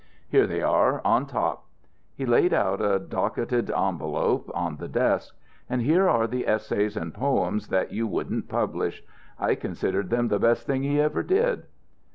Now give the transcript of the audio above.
"Here they are on top." He laid out a docketed envelope on the desk. "And here are the essays and poems that you wouldn't publish. I considered them the best things he ever did."